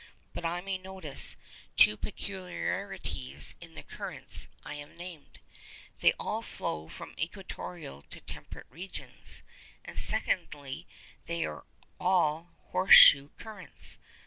But I may notice two peculiarities in the currents I have named. They all flow from equatorial to temperate regions, and, secondly, they are all 'horse shoe currents.